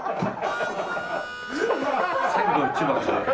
鮮度一番で。